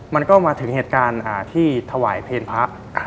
มันก็มาถึงเหตุการณ์ที่ถวายเพลงพระ